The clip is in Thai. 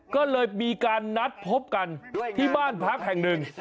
ก็เลยมีการนัดพบกันที่บ้านพักแห่งหนึ่ง